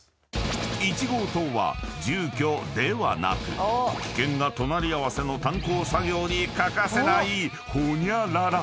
［１号棟は住居ではなく危険が隣り合わせの炭鉱作業に欠かせないホニャララ］